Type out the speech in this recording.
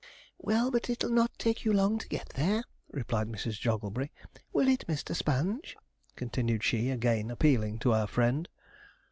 'Well, but it'll not take you long to get there,' replied Mrs. Jogglebury; 'will it, Mr. Sponge?' continued she, again appealing to our friend.